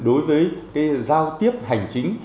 đối với cái giao tiếp hành chính